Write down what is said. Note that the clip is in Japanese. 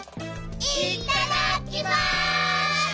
いっただっきます！